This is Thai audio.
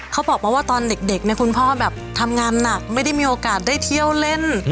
เขาบอกมาว่าตอนเด็กเนี่ยคุณพ่อแบบทำงานหนักไม่ได้มีโอกาสได้เที่ยวเล่น